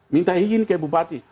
minta izin ke bupati